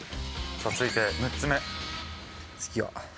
さあ、続いて６つ目。